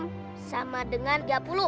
lima x enam sama dengan tiga puluh